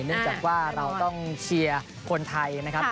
เนื่องจากว่าเราต้องเชียร์คนไทยนะครับ